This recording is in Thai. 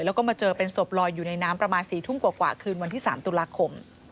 แล้วก็มาเจอเป็นศพลอยอยู่ในน้ำประมาณ๔ทุ่มกว่าคืนวันที่๓ตุลาคม